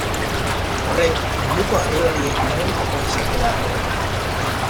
Horrek, munduko aurrelari onenetako izatera eraman du.